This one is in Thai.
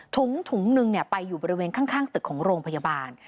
ถุงหนึ่งไปอยู่บริเวณข้างตึกของโรงพยาบาล